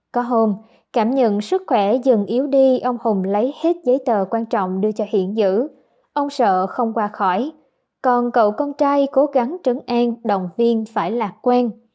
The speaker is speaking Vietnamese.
cảm nhận sức khỏe dừng yếu đi ông hùng lấy hết giấy tờ quan trọng đưa cho hiển giữ ông sợ không qua khỏi còn cậu con trai cố gắng trứng an động viên phải lạc quen